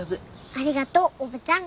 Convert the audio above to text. ありがとうおばちゃん。